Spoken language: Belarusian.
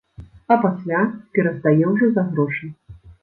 А пасля пераздае ўжо за грошы.